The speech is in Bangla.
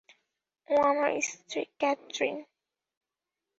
ও আমার স্ত্রী, ক্যাথেরিন।